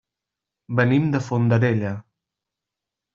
Venim de Fondarella.